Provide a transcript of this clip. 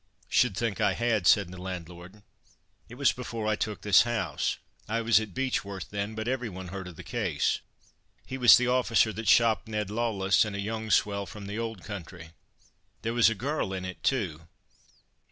"Should think I had," said the landlord. "It was before I took this house; I was at Beechworth then, but every one heard of the case. He was the officer that 'shopped' Ned Lawless, and a young swell from the old country. There was a girl in it too.